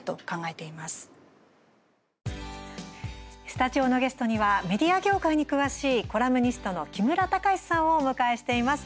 スタジオのゲストにはメディア業界に詳しいコラムニストの木村隆志さんをお迎えしています。